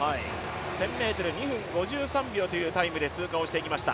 １０００ｍ、２分５３秒というタイムで通過していきました。